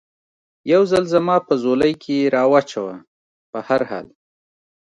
یو ځل زما په ځولۍ کې را و چوه، په هر حال.